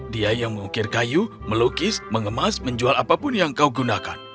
dia yang mengukir kayu melukis mengemas menjual apapun yang kau gunakan